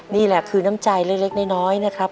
นี่แหละคือน้ำใจเล็กน้อยนะครับ